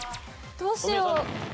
どうしよう。